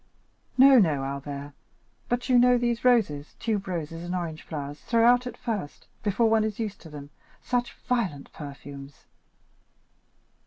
"No, no, Albert, but you know these roses, tuberoses, and orange flowers throw out at first, before one is used to them, such violent perfumes."